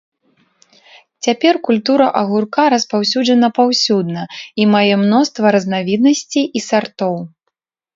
Цяпер культура агурка распаўсюджана паўсюдна і мае мноства разнавіднасцей і сартоў.